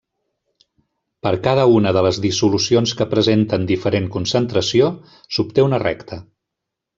Per a cada una de les dissolucions que presenten diferent concentració, s'obté una recta.